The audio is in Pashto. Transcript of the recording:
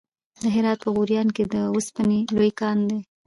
د هرات په غوریان کې د وسپنې لوی کان دی.